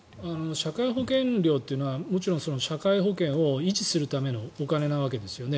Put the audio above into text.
社会保険料というのはもちろん社会保険を維持するためのお金なわけですよね。